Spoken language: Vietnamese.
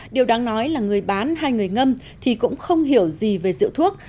điều đáng nói là người bán hay người ngâm thì cũng không hiểu gì về rượu thuốc